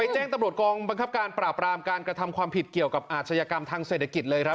แจ้งตำรวจกองบังคับการปราบรามการกระทำความผิดเกี่ยวกับอาชญากรรมทางเศรษฐกิจเลยครับ